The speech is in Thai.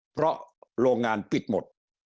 เพราะโรงงานปิดหมด